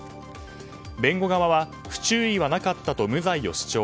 弁護側は不注意はなかったと無罪を主張。